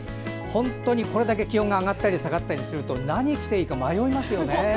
本当にこれだけ気温が上がったり下がったりすると何を着ていいか迷いますよね。